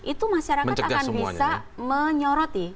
itu masyarakat akan bisa menyoroti